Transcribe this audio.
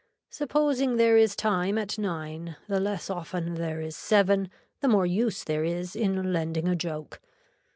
Supposing there is time at nine, the less often there is seven the more use there is in lending a joke.